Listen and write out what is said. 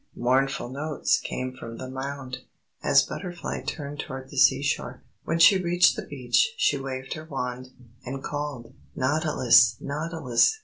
Mournful notes came from the mound, as Butterfly turned toward the seashore. When she reached the beach, she waved her wand, and called: "_Nautilus! Nautilus!